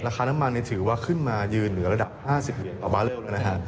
ราคาน้ำมันถือว่าขึ้นมายืนเหนือระดับ๕๐เยกประมาทเร็วเลยนะคะ